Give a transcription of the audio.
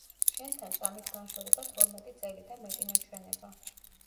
შენთან წამით განშორება თორმეტი წელი და მეტი მეჩვენება.